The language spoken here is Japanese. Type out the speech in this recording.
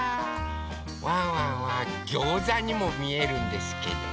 ワンワンはギョーザにもみえるんですけど。